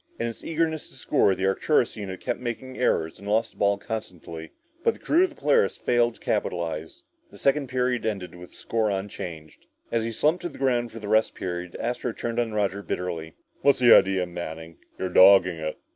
In its eagerness to score, the Arcturus unit kept making errors and lost the ball constantly but the crew of the Polaris failed to capitalize. The second period ended with the score unchanged. As he slumped to the ground for the rest period, Astro turned on Roger bitterly. "What's the idea, Manning? You're dogging it!"